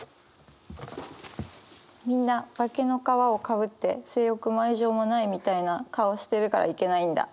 「みんな化けの皮を被って性欲も愛情もないみたいな顔してるからいけないんだ」。